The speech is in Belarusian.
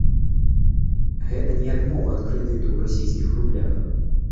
Гэта не адмова ад крэдыту ў расійскіх рублях.